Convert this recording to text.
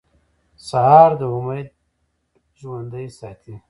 سهار د امید ژوندی ساتي.